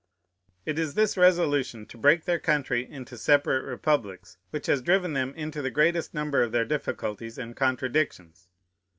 It is this resolution to break their country into separate republics which has driven them into the greatest number of their difficulties and contradictions.